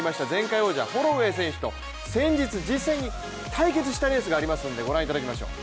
前回王者のホロウェイ選手と先日実際に対決したレースがありますのでご覧いただきましょう。